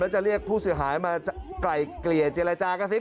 และจะเรียกผู้เสียหายมาไก่เกลี่ยจิลลายจากศิษย์